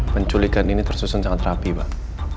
penculikan ini tersusun sangat rapi pak